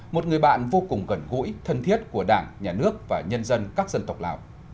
một người bạn vô cùng gần gũi thân thiết của đảng nhà nước và nhân dân các dân tộc lào